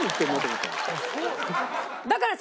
だからさ